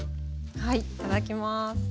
はいいただきます！